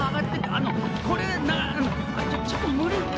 あのこれなんちょっと無理。